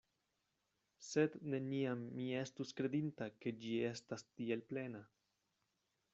Sed neniam mi estus kredinta, ke ĝi estas tiel plena.